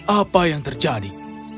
apa yang terjadi